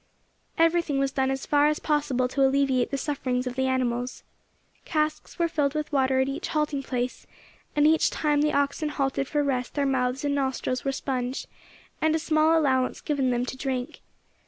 Everything was done as far as possible to alleviate the sufferings of the animals. Casks were filled with water at each halting place, and each time the oxen halted for rest their mouths and nostrils were sponged, and a small allowance given them to drink.